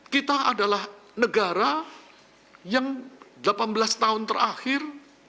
kita adalah negara yang delapan belas tahun terakhir